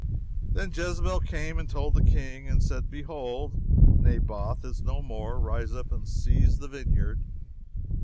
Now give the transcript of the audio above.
Then Jezebel came and told the King, and said, Behold, Naboth is no more rise up and seize the vineyard.